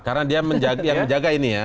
karena dia yang menjaga ini ya